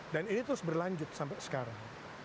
dan ini terus berlanjut sampai sekarang